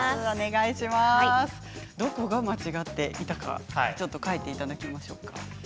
どこが間違っていたかちょっと書いていただきましょうか。